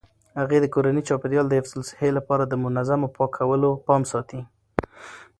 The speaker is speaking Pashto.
هغې د کورني چاپیریال د حفظ الصحې لپاره د منظمو پاکولو پام ساتي.